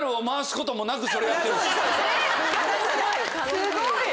すごい！